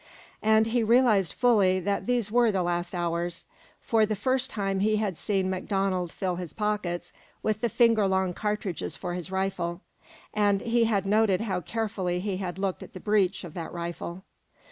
And he realized fully that these were the last hours. For the first time he had seen MacDonald fill his pockets with the finger long cartridges for his rifle, and he had noted how carefully he had looked at the breech of that rifle.